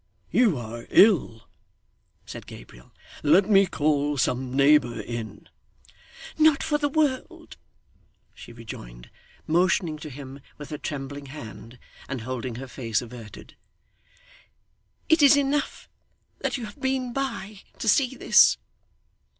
'You are ill,' said Gabriel. 'Let me call some neighbour in.' 'Not for the world,' she rejoined, motioning to him with her trembling hand, and holding her face averted. 'It is enough that you have been by, to see this.